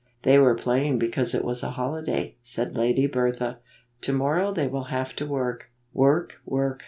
Th.ey were playing because it was a holiday," said Lady Bertha. "To morrow they will have to work." "Work! Work!"